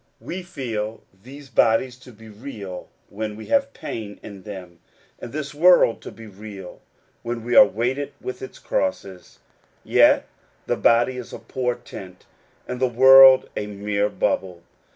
We feel these bodies to be real when we have pain in them, and this world to be real when we are weighted with its crosses : yet the body is a poor tent, and the world a mere bubble.